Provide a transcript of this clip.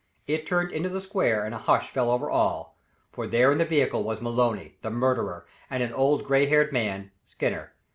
It turned into the Square and a hush fell over all, for there in the vehicle was Maloney the murderer, and an old gray haired man Skinner.